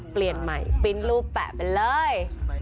เปลี่ยนใหม่ปิ้นรูปแปะไปเลย